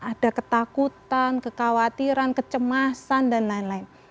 ada ketakutan kekhawatiran kecemasan dan lain lain